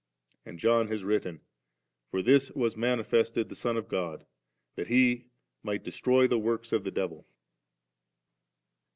And John has written :' For this was manifested the Son of God, that He might destroy the works of the devil V •Toliiii.